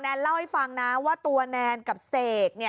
เล่าให้ฟังนะว่าตัวแนนกับเสก